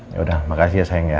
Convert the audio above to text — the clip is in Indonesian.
yaudah makasih ya sayang ya